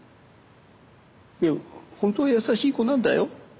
いや本当は優しい子なんだよ。